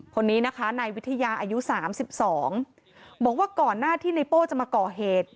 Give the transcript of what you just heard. คนนี้นะคะนายวิทยาอายุ๓๒บอกว่าก่อนหน้าที่ในโป้จะมาก่อเหตุ